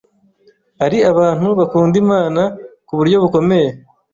ari abantu bakunda Imana ku buryo bukomeye,